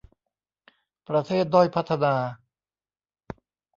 ประเทศด้อยพัฒนา